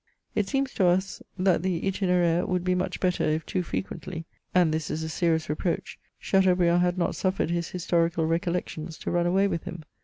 It aeems to w that the Itineraire would be much better if too frequently — and this is a serious reproach — Chateaubriand had not suffered his historical reeol leotions to run away vrith him.